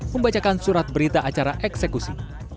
membacakan surat berita acara eksekusi